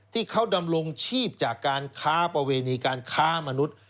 ที่เขาดำรงชีพจากการค้าประเวณีการค้ามนุษย์